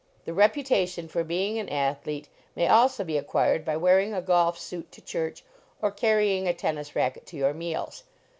The reputation for being an athlete may also be acquired by wearing a golf suit to church, or carrying a tennis racket to your meals.